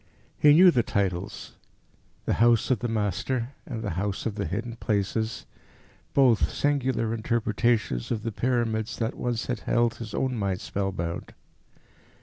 He knew the titles The House of the Master, and The House of the Hidden Places, both singular interpretations of the Pyramids that once had held his own mind spellbound.